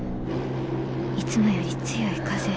いつもより強い風。